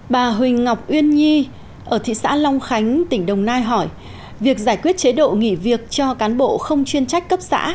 bà huỳnh ngọc uyên nhi ở thị xã long khánh tỉnh đồng nai hỏi việc giải quyết chế độ nghỉ việc cho cán bộ không chuyên trách cấp xã